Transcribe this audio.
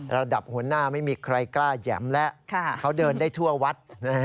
ระดับหัวหน้าไม่มีใครกล้าแหย่มแล้วเขาเดินได้ทั่ววัด